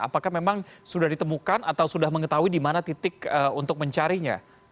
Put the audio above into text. apakah memang sudah ditemukan atau sudah mengetahui di mana titik untuk mencarinya